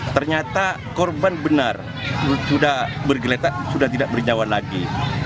ternyata korban benar sudah bergeletak sudah tidak bernyawa lagi